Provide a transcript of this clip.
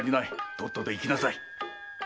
とっとと行きなさい。